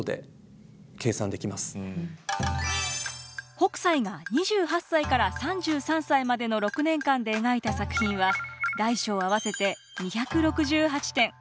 北斎が２８歳から３３歳までの６年間で描いた作品は大小合わせて２６８点。